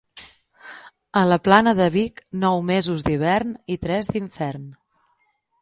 A la plana de Vic, nou mesos d'hivern i tres d'infern.